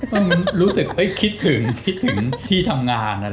ผมรู้สึกคิดถึงที่ทำงาน